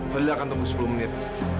bali akan tunggu sepuluh menit